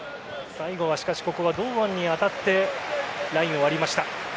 最後は、ここは堂安に当たってラインを割りました。